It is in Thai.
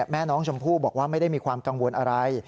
แม่น้องชมพู่บอกว่าไม่ได้มีความกังวลอะไร